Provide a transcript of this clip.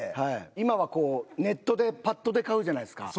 今はこうネットでＰＡＴで買うじゃないですか。